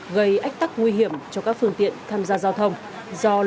gây ách tắc nguy hiểm cho các phương tiện tham gia giao thông